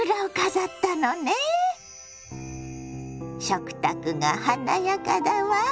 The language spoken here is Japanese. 食卓が華やかだわ！